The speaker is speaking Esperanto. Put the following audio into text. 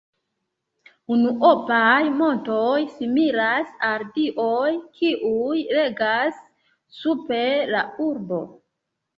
Unuopaj montoj similas al dioj, kiuj regas super la urbo.